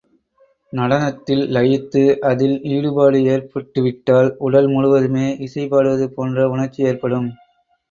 நடனத்தில் லயித்து, அதில் ஈடுபாடு ஏற்பட்டுவிட்டால், உடல் முழுவதுமே இசை பாடுவது போன்ற உணர்ச்சி ஏற்படும்.